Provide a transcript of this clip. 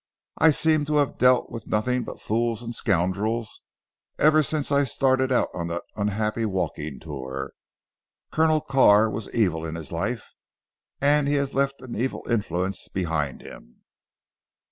I seem to have dealt with nothing but fools and scoundrels ever since I started out on that unhappy walking tour. Colonel Carr was evil in his life, and he has left an evil influence behind him."